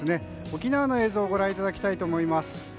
沖縄の映像をご覧いただきたいと思います。